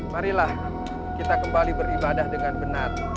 marilah kita kembali beribadah dengan benar